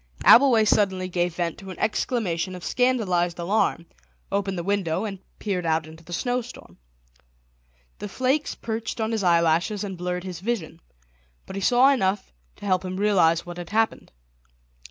Abbleway suddenly gave vent to an exclamation of scandalised alarm, opened the window, and peered out into the snowstorm. The flakes perched on his eyelashes and blurred his vision, but he saw enough to help him to realise what had happened.